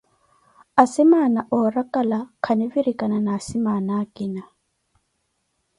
Asimaana oorakala khanvirikana na asimaana akina.